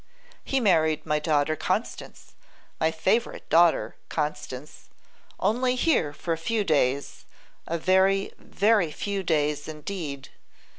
He married my daughter Constance, my favourite daughter, Constance. Only here for a few days, a very, very few days indeed.